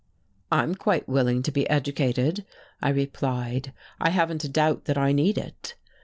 "I'm quite willing to be educated," I replied. "I haven't a doubt that I need it."